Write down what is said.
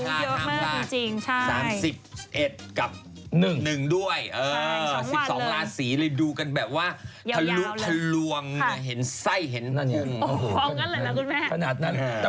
บรามคำว่า๓๑กับ๑ด้วย๑๒ล้านสีดูกันแบบว่าทะลุทะลวงห้องกันแหละครับคุณแม่